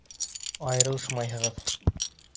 Айырылышмайһығыҙ!